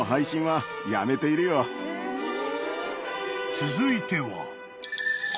［続いては］